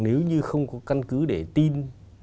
nếu như không có căn cứ để tin